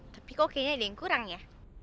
tapi kok kayaknya ada yang kurang ya